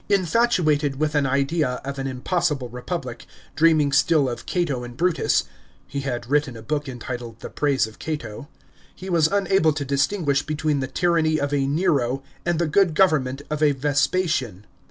Infatuated with an idea of an impossible republic, dreaming still of Cato and Brutus — he had written a book entitled " The Praise of Cato" — he was unable to distinguish between the tyranny of a Nero and the good govern ment of a Vespasian.